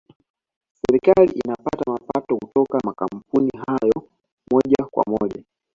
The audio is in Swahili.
serikali inapata mapato kutoka makampuni hayo moja kwa moja